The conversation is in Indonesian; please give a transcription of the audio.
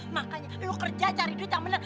makanya lo kerja cari duit yang bener